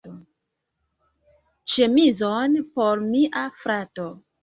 Ĉemizon por mia frato.